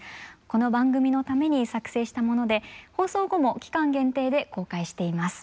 この番組のために作成したもので放送後も期間限定で公開しています。